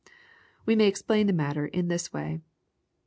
We may explain the matter in this way.